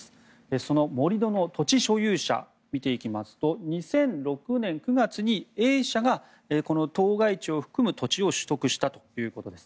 その盛り土の土地所有者見ていきますと２００６年９月にＡ社がこの当該地を含む土地を取得したということです。